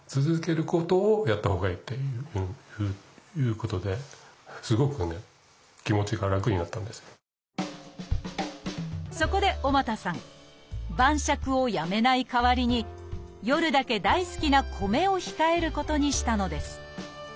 ところが意外なことにそこで尾又さん晩酌をやめないかわりに夜だけ大好きな米を控えることにしたのです。